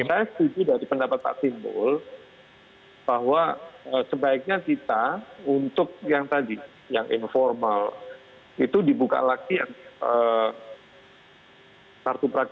saya setuju dari pendapat pak timbul bahwa sebaiknya kita untuk yang tadi yang informal itu dibuka lagi